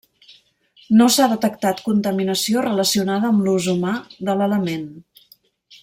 No s'ha detectat contaminació relacionada amb l'ús humà de l'element.